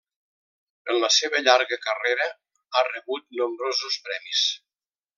En la seva llarga carrera, ha rebut nombrosos premis.